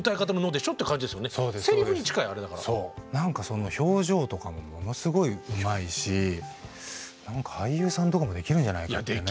何かその表情とかもものすごいうまいし何か俳優さんとかもできるんじゃないですかね。